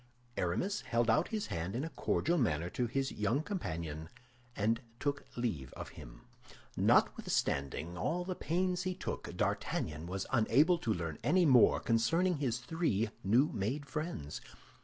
Aramis held out his hand in a cordial manner to his young companion, and took leave of him. Notwithstanding all the pains he took, D'Artagnan was unable to learn any more concerning his three new made friends.